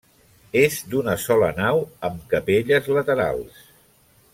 És d'una sola nau, amb capelles laterals.